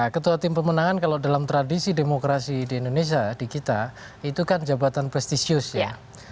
ketua tim pemenangan kalau dalam tradisi demokrasi di indonesia di kita itu kan jabatan prestisius ya